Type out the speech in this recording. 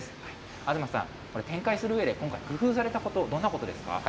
東さん、展開するうえで、今回、工夫されたこと、どんなことですか？